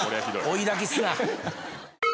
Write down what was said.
追いだきすな！